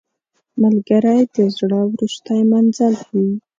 ملګری د زړه وروستی منزل وي